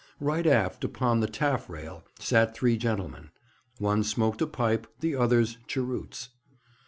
Right aft, upon the taffrail, sat three gentlemen. One smoked a pipe, the others cheroots.